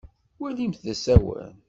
Walimt d asawen.